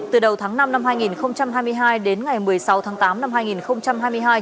từ đầu tháng năm năm hai nghìn hai mươi hai đến ngày một mươi sáu tháng tám năm hai nghìn hai mươi hai